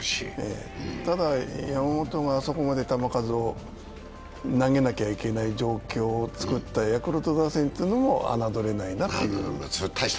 ただ、山本があそこまで球数を投げなきゃいけない状況を作ったヤクルト打線というのも侮れないなという。